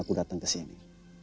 aku datang ke sini